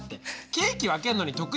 ケーキ分けるのに得意